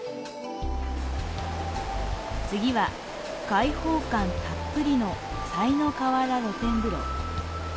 次は、開放感たっぷりの西の河原露天風呂。